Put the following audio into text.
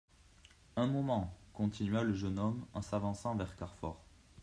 Un moment, continua le jeune homme en s'avançant vers Carfor.